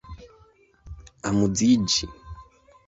amuziĝi